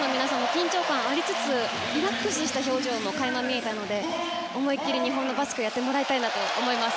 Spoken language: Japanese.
緊張感がありつつリラックスした表情も垣間見えたので思い切り日本のバスケをやってもらいたいと思います。